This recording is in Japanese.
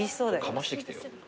かましてきてよ。